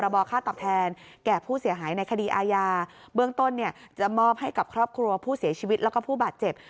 เบื้องต้นจะมอบให้กับครอบครัวผู้เสียชีวิตแล้วก็ผู้บาดเจ็บ